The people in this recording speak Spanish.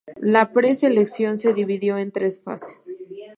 La preselección de dividió en tres fases.